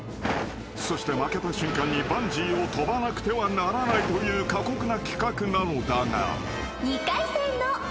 ［そして負けた瞬間にバンジーをとばなくてはならないという過酷な企画なのだが］